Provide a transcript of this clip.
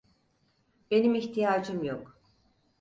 Benim ihtiyacım yok.